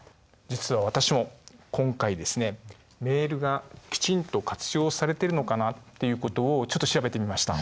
実は私も今回ですねメールがきちんと活用されてるのかなっていうことをちょっと調べてみました。